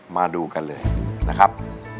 มาดูกันเลยนะครับ